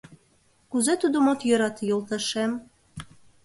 Кузе тудым от йӧрате, йолташем?